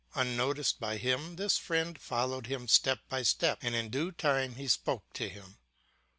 Unnoticed by him, this friend followed him step by step, and in due time he spoke to him.